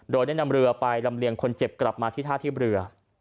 โดยได้นำเรือไปลำเลียงคนเจ็บกลับมาที่ท่าเทียบเรือ